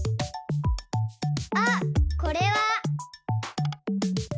あっこれは。